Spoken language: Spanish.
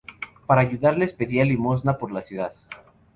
Para ayudarles pedía limosna por la ciudad.